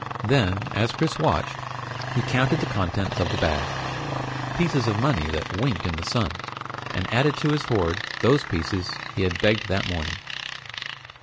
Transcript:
Then, as Chris watched, he counted the contents of the bag, pieces of money that winked in the sun, and added to his horde those pieces he had begged that morning.